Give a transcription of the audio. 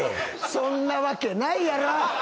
そんなわけないやろ！